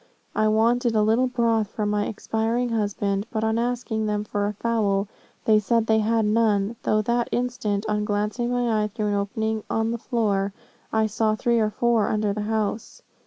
I wanted a little broth for my expiring husband, but on asking them for a fowl they said they had none, though at that instant, on glancing my eye through an opening in the floor, I saw three or four under the house.